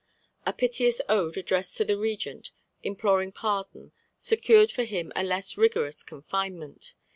A piteous ode addressed to the Regent imploring pardon secured for him a less rigorous confinement.